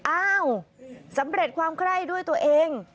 อ้าวสำเร็จความไคร้ด้วยตัวเอง